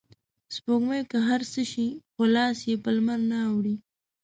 سپوږمۍ که هر څه شي خو لاس یې په لمرنه اوړي